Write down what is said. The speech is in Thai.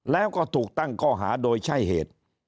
แล้วก็ถูกตั้งข้อหาโดยใช่เหตุ